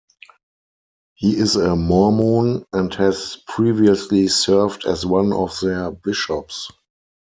He is a Mormon and has previously served as one of their bishops.